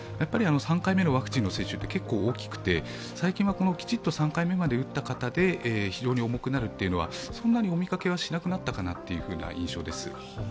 ３回目のワクチンの接種って結構大きくて最近はきちんと３回目まで打った方で非常に重くなるというのはそんなにお見かけしなくなったかなという印象です。